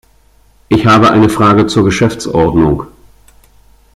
Ich habe ein Frage zur Geschäftsordnung.